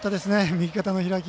右肩の開き。